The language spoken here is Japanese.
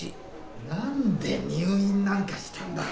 なんで入院なんかしたんだ。